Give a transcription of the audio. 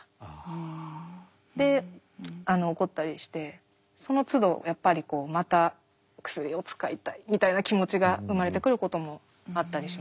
で起こったりしてそのつどやっぱりこうまた薬を使いたいみたいな気持ちが生まれてくることもあったりします。